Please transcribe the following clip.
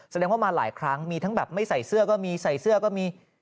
แสดงว่ามาหลายครั้งมีทั้งแบบไม่ใส่เสื้อก็มีใส่เสื้อก็มี